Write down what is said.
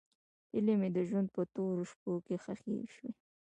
هیلې مې د ژوند په تورو شپو کې ښخې شوې.